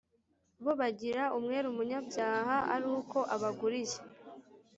bo bagira umwere umunyacyaha ari uko abaguriye,